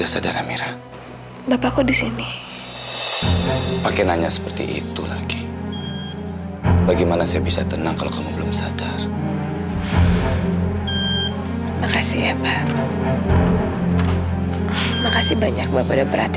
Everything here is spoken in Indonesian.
sampai jumpa di video selanjutnya